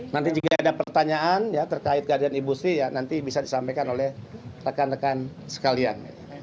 nanti jika ada pertanyaan ya terkait keadaan ibu sri ya nanti bisa disampaikan oleh rekan rekan sekalian